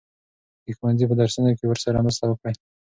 د ښوونځي په درسونو کې ورسره مرسته وکړئ.